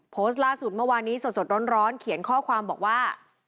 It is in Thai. โพสต์ล่าสุดเมื่อวานี้สดร้อนเขียนข้อความบอกว่า